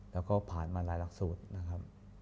แล้วก็ผ่านมาหลายหลักสูตรนะครับ